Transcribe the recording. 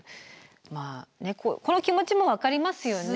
まあねっこの気持ちも分かりますよね。